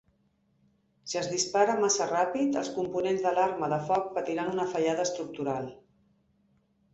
Si es dispara massa ràpid, els components de l'arma de foc patiran una fallada estructural.